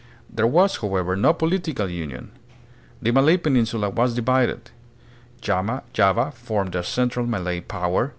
There was, however, no political union. The Malay peninsula was divided. Java formed a central Malay power.